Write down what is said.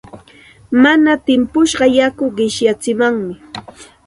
Mana timpushqa yaku qichatsimanmi.